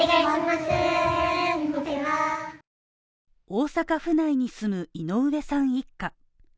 大阪府内に住む井上さん一家。